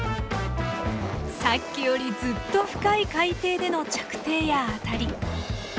さっきよりずっと深い海底での着底やアタリ。